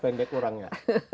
jauh pendek kurangnya